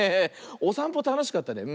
おさんぽたのしかったね。